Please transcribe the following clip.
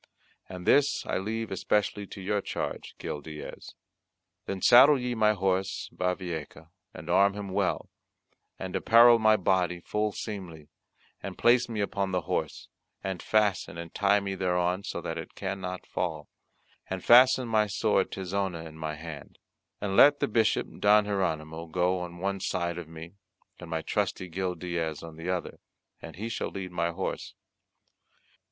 And this I leave especially to your charge, Gil Diaz. Then saddle ye my horse Bavieca, and arm him well; and apparel my body full seemlily, and place me upon the horse, and fasten and tie me thereon so that it cannot fall: and fasten my sword Tizona in my hand. And let the Bishop Don Hieronymo go on one side of me, and my trusty Gil Diaz on the other, and he shall lead my horse.